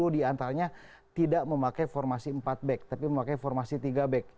sepuluh diantaranya tidak memakai formasi empat back tapi memakai formasi tiga back